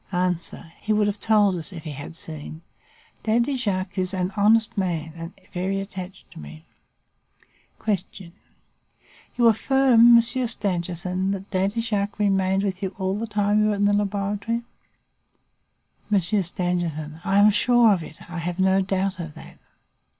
"A. He would have told us if he had seen. Daddy Jacques is an honest man and very attached to me. "Q. You affirm, Monsieur Stangerson, that Daddy Jacques remained with you all the time you were in the laboratory? "M. Stangerson. I am sure of it. I have no doubt of that.